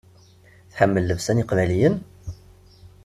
Tḥemmel llebsa n yeqbayliyen?